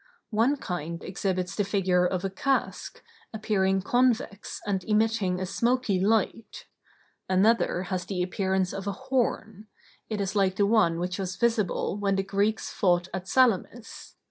One kind exhibits the figure of a cask, appearing convex and emitting a smoky light; another has the appearance of a horn; it is like the one which was visible when the Greeks fought at Salamis.